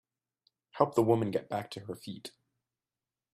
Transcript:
Help the woman get back to her feet.